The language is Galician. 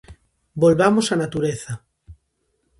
Volvamos á natureza.